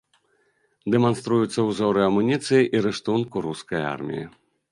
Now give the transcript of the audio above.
Дэманструюцца ўзоры амуніцыі і рыштунку рускай арміі.